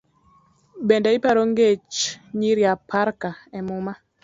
Bende iparo ngech nyiri aparka emuma?